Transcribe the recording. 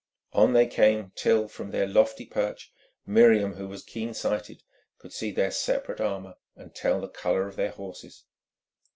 On they came till, from their lofty perch, Miriam, who was keen sighted, could see their separate armour and tell the colour of their horses.